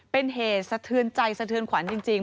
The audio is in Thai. เป็นเหตุสะเทือนใจสะเทือนขวัญจริง